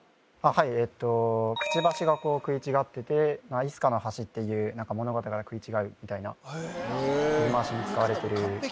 はいくちばしがこう食い違ってて「イスカの嘴」っていう何か物事が食い違うみたいな言い回しに使われてるへえ